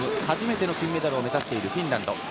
初めての金メダルを目指しているフィンランド。